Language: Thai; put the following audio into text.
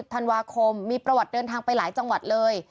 ธันวาคมมีประวัติเดินทางไปหลายจังหวัดเลย